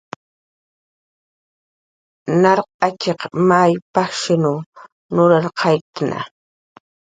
Narq atx'is may pajshiw nurarqayktna